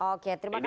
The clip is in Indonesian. oke terima kasih